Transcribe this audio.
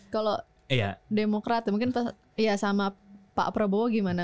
kalau demokrat mungkin ya sama pak prabowo gimana